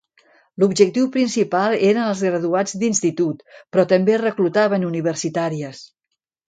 L'objectiu principal eren els graduats d'institut, però també reclutaven universitàries.